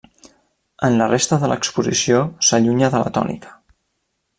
En la resta de l'exposició s'allunya de la tònica.